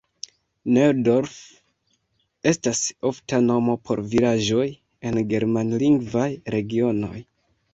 Neudorf estas ofta nomo por vilaĝoj en germanlingvaj regionoj.